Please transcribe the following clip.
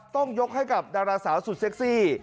ต้องยกให้กับดาราสาวสุดเซ็กซี่